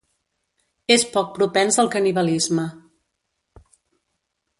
És poc propens al canibalisme.